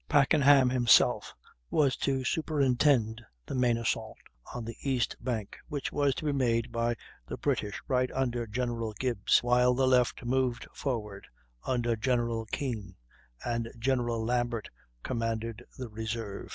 Packenham himself was to superintend the main assault, on the east bank, which was to be made by the British right under General Gibbs, while the left moved forward under General Keane, and General Lambert commanded the reserve.